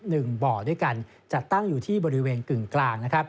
๑เบาะด้วยกันจะตั้งอยู่ที่บริเวณกึ่งกลาง